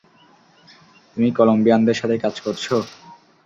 তুমি কলম্বিয়ানদের সাথে কাজ করছ?